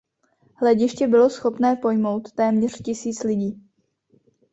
Hlediště bylo schopné pojmout téměř tisíc lidí.